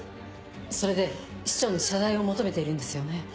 それで市長に謝罪を求めているんですよね？